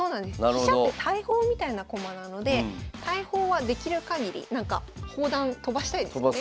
飛車って大砲みたいな駒なので大砲はできるかぎり砲弾飛ばしたいですよね。